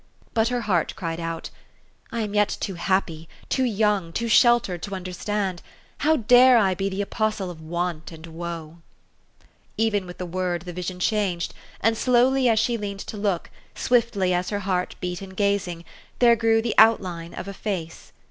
But her heart cried out, " I am yet too happy, too young, too sheltered, to understand. How dare I be the apostle of want and woe ?'' Even with the word the vision changed, and slowly as she leaned to look, swiftly as her heart beat in gazing, there grew the outline of a Face.